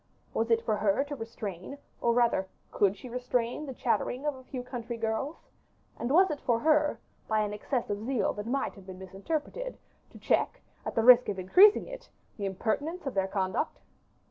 Was it for her to restrain, or rather could she restrain, the chattering of a few country girls? and was it for her, by an excess of zeal that might have been misinterpreted, to check, at the risk of increasing it, the impertinence of their conduct?